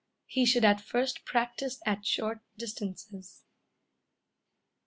He should at first practice at short distances.